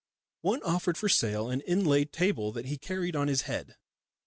One offered for sale an inlaid table that he carried on his head.